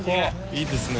いいですね。